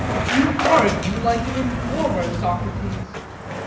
You argue like an informer, Socrates.